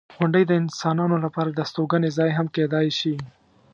• غونډۍ د انسانانو لپاره د استوګنې ځای هم کیدای شي.